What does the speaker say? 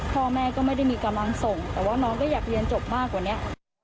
พ่อแม่ก็ไม่ได้มีกำลังส่งแต่ว่าน้องก็อยากเรียนจบมากกว่านี้